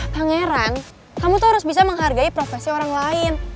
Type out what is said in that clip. pangeran kamu tuh harus bisa menghargai profesi orang lain